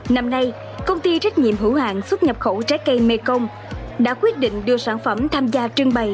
năm nay công ty trách nhiệm hữu hàng xuất nhập khẩu trái cây mekong đã quyết định đưa sản phẩm tham gia trưng bày